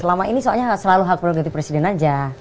selama ini soalnya selalu hak prerogatif presiden aja